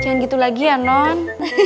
jangan gitu lagi ya non